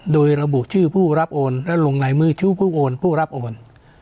โดยระบุชื่อผู้รับโอนและลงในมือชู้ผู้โอนผู้รับโอน